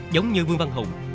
giống như vương văn hùng